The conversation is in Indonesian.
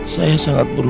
saya sangat berharga